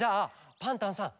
パンタンさん